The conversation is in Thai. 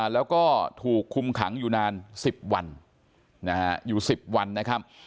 แล้วก็ถูกคุมขังอยู่นาน๑๐วันอยู่๑๐วันนะครับ